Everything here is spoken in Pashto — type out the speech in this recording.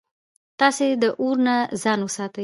تاسي د اور نه ځان وساتئ